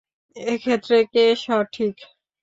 এক্ষেত্রে কে সঠিক?